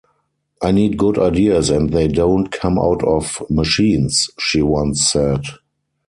"I need good ideas, and they don't come out of machines", she once said.